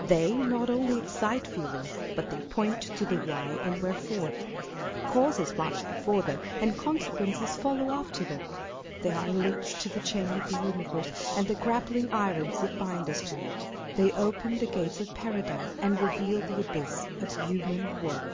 They not only excite feelings, but they point to the why and wherefore. 474 Scott, Racine, and Shakespeare. Causes march before them, and consequences follow after them. They are links in the chain of the universe, and the grappling irons that bind us to it. They open the gates of Paradise, and reveal the abyss of human woe.